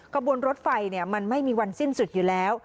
ขบวนรถไฟมันไม่มีวันสิ้นสุดอยู่แล้ว